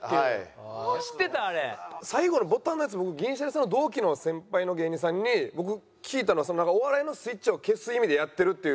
僕銀シャリさんの同期の先輩の芸人さんに僕聞いたのはなんかお笑いのスイッチを消す意味でやってるっていう。